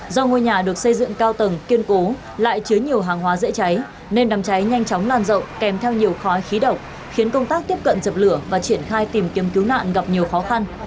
do ngôi nhà được xây dựng cao tầng kiên cố lại chứa nhiều hàng hóa dễ cháy nên đám cháy nhanh chóng lan rộng kèm theo nhiều khói khí độc khiến công tác tiếp cận dập lửa và triển khai tìm kiếm cứu nạn gặp nhiều khó khăn